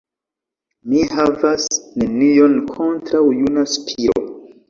Mi havas nenion kontraŭ juna Spiro!